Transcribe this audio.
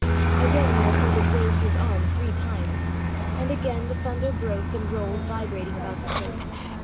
Again lord Herbert waved his arm three times, and again the thunder broke and rolled vibrating about the place.